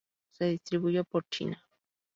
Se distribuye por China.